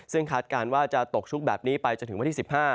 ซึ่งคาดการณ์ว่าจะตกชุกแบบนี้ไปจนถึงวันที่๑๕